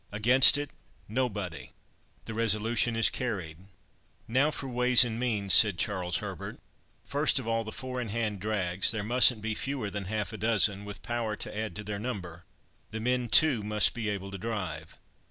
Against it, nobody. The resolution is carried." "Now for ways and means," said Charles Herbert. "First of all, the four in hand drags—there mustn't be fewer than half a dozen, with power to add to their number; the men, too, must be able to drive.